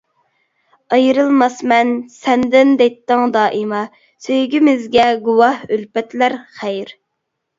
ئايرىلماسمەن سەندىن دەيتتىڭ دائىما، سۆيگۈمىزگە گۇۋاھ ئۈلپەتلەر خەير.